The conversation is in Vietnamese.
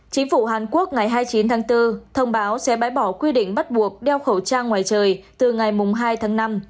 chính phủ hàn quốc ngày hai mươi chín tháng bốn thông báo sẽ bãi bỏ quy định bắt buộc đeo khẩu trang ngoài trời từ ngày hai tháng năm